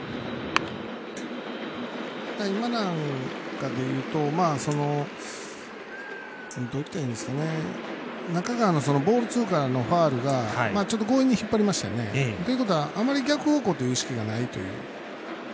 今なんかでいうと中川のボールツーからのファウルがちょっと強引に引っ張りましたよね。ということはあまり逆方向という意識がないという。